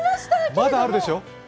まだあるでしょ？